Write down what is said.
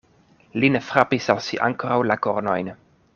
Li ne frapis al si ankoraŭ la kornojn.